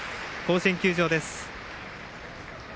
甲子園球場です。